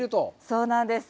そうなんです。